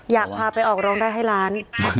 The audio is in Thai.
อยากพาไปออกร้องได้ให้ล้าน